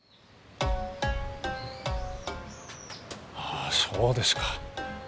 あそうですか。